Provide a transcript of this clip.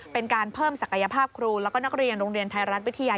เป็นการเพิ่มศักยภาพครูแล้วก็นักเรียนโรงเรียนไทยรัฐวิทยา